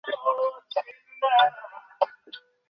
এবার উপরে তুলছি।